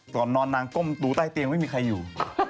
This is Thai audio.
นอนนางก้มดูใต้เตียงไม่มีใครอยู่